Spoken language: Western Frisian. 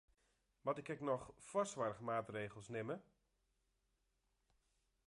Moat ik ek noch foarsoarchmaatregels nimme?